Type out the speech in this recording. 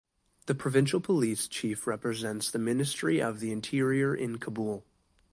The provincial police chief represents the Ministry of the Interior in Kabul.